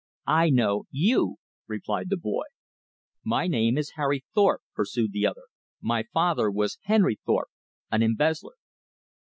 "I know YOU," replied the boy. "My name is Harry Thorpe," pursued the other. "My father was Henry Thorpe, an embezzler."